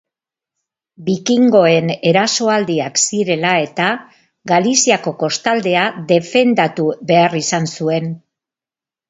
Bikingoen erasoaldiak zirela eta, Galiziako kostaldea defendatu behar izan zuen.